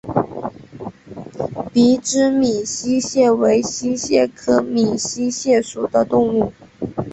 鼻肢闽溪蟹为溪蟹科闽溪蟹属的动物。